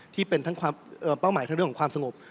ที่เป็นเป้าหมายทั้งเรื่องของความสงบ